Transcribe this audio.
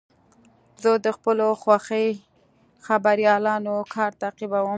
زه د خپلو خوښې خبریالانو کار تعقیبوم.